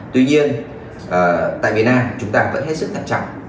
tuy nhiên tại việt nam chúng ta vẫn hết sức thận trọng